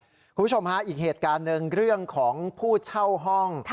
คุณผู้ชมฮะอีกเหตุการณ์หนึ่งเรื่องของผู้เช่าห้อง